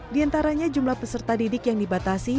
di antaranya jumlah peserta didik yang dibatasi